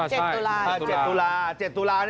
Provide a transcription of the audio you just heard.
๗ตุลาครับใช่ครับ๗ตุลา